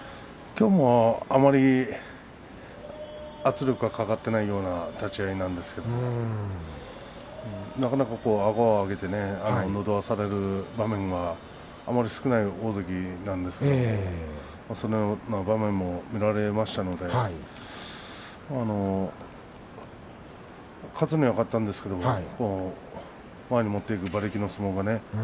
きょうもあまり圧力がかかっていないような立ち合いなんですけれどもなかなか、あごを上げてのど輪される場面が少ない大関なんですけれどもそのような場面も見られましたので勝つには勝ったんですけれども前に持っていく馬力の相撲がね